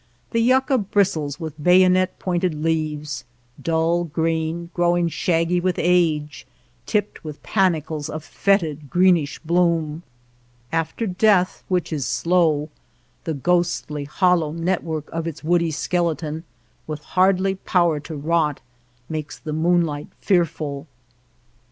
Xhe yuaca bristles with bayonet pointed leaves, dull green, growing shaggy with age, tipped with panicles of fetid, greenish bloom. After death, which is slow, the ghostly hollow network of its woody skeleton, with hardly power to rot, makes the moonlight fearful.